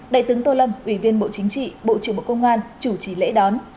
đại tướng tô lâm ủy viên bộ chính trị bộ trưởng bộ công an chủ trì lễ đón